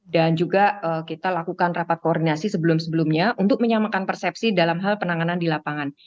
dan juga kita lakukan rapat koordinasi sebelum sebelumnya untuk menyamakan persepsi dalam hal penanganan di lapangan